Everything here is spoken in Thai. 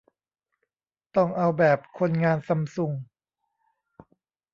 ต้องเอาแบบคนงานซัมซุง